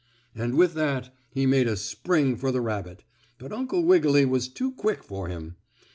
And with that he made a spring for the rabbit, but Uncle Wiggily was too quick for him.